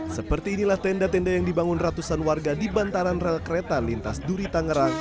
seperti inilah tenda tenda yang dibangun ratusan warga di bantaran rel kereta lintas duri tangerang